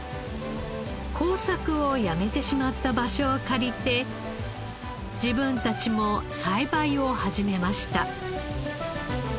耕作をやめてしまった場所を借りて自分たちも栽培を始めました。